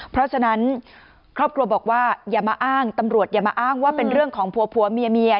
เพราะฉะนั้นครอบครัวบอกว่าอย่ามาอ้างตำรวจอย่ามาอ้างว่าเป็นเรื่องของผัวผัวเมีย